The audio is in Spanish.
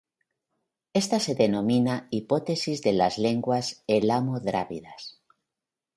Esta se denomina hipótesis de las lenguas elamo-drávidas.